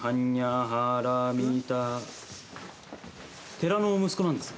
寺の息子なんです。